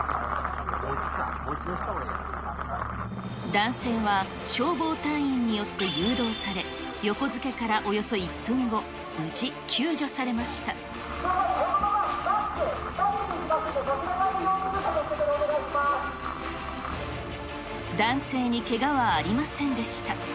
男性は消防隊員によって誘導され、横付けからおよそ１分後、無事救このままバック、バックで行きますので、男性にけがはありませんでした。